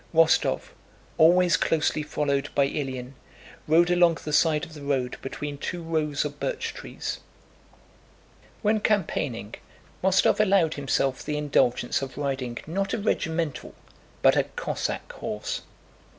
Rostóv, always closely followed by Ilyín, rode along the side of the road between two rows of birch trees. When campaigning, Rostóv allowed himself the indulgence of riding not a regimental but a Cossack horse.